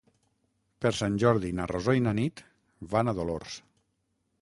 Per Sant Jordi na Rosó i na Nit van a Dolors.